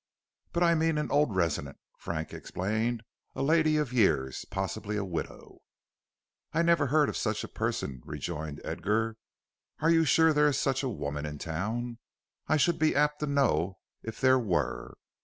"But I mean an old resident," Frank explained, "a lady of years, possibly a widow." "I never heard of such a person," rejoined Edgar. "Are you sure there is such a woman in town? I should be apt to know it if there were."